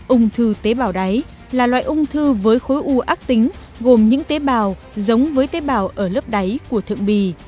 ung thư tế bào đáy là loại ung thư với khối u ác tính gồm những tế bào giống với tế bào ở lớp đáy của thượng bì